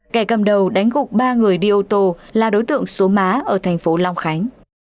kẻ cầm đầu đánh gục ba người đi ô tô là đối tượng số má ở thành phố long khánh